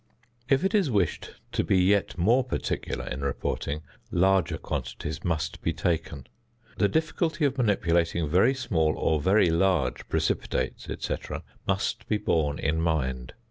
If it is wished to be yet more particular in reporting, larger quantities must be taken. The difficulty of manipulating very small or very large precipitates, &c., must be borne in mind.